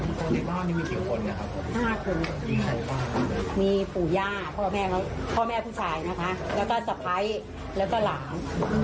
คนในบ้านมีกี่คนนะครับ๕คนมีปู่ย่าพ่อแม่ผู้ชายนะคะแล้วก็สะพ้ายแล้วก็หลาน